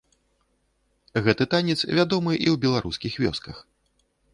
Гэты танец вядомы і ў беларускіх вёсках.